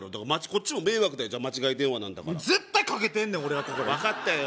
こっちも迷惑だよ間違い電話なんだから絶対かけてんねん俺はここに分かったよ